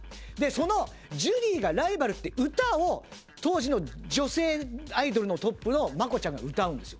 その『ジュリーがライバル』って歌を当時の女性アイドルのトップの真子ちゃんが歌うんですよ。